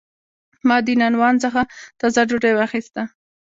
ما د نانوان څخه تازه ډوډۍ واخیسته.